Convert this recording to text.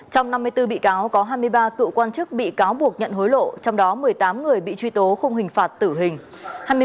trong năm mươi bốn bị cáo có hai mươi ba cựu quan chức bị cáo buộc nhận hối lộ trong đó một mươi tám người bị truy tố không hình phạt tử hình